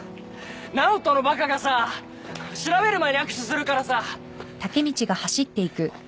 ナオトのバカがさ調べる前に握手するからさ。